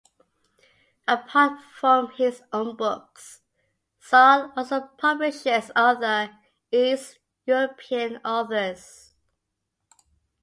Apart from his own books, Czarne also publishes other East European authors.